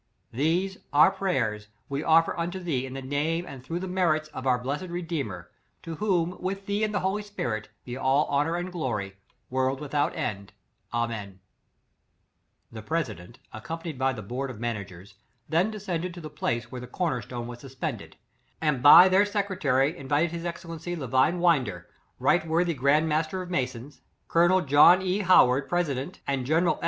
" These, our prayers, we offer unto thee in the name and through the merits of our blessed Redeemer; to whom, with thee and the holy Spirit, be all honor and glory, world without end — Amen,'^ ' The president, accompaniedby the board of managers, then descended to the place where the corner stone was suspended, and by their secretary invited his excellen cy Levin Winder, r. w. g. m. of masons, colonelJoHNE. Howard, president andge neral S.